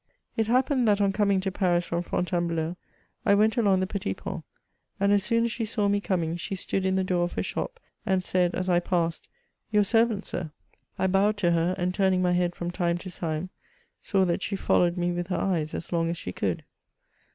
'* It happened that on coming to Paris from Fcfntainbleau, I went along the Petit Pont, and, as soon as she saw me coming, she stood in the door of her shop, and said, as I passed, 168 MEMOIRS OF • your servant, sir.' I bowed to her, and, tuiiiing my head from time to time« saw that she followed me with her eyes as long as she could.''